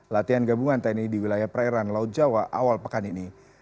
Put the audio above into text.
latihan gabungan tni di wilayah perairan laut jawa awal pekan ini